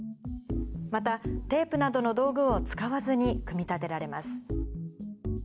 また、テープなどの道具を使わずに組み立てられます。